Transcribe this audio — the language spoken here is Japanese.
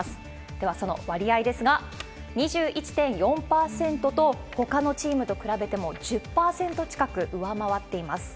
では、その割合ですが、２１．４％と、ほかのチームと比べても１０％近く上回っています。